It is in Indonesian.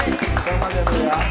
selamat ya dulu ya